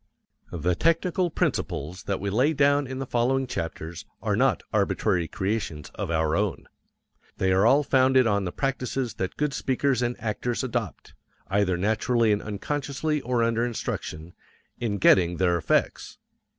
The technical principles that we lay down in the following chapters are not arbitrary creations of our own. They are all founded on the practices that good speakers and actors adopt either naturally and unconsciously or under instruction in getting their effects.